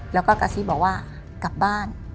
แล้วก็กระซิบบอกว่ากลับบ้าน